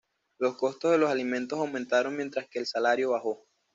Los costos de los alimentos aumentaron mientras que el salario bajó.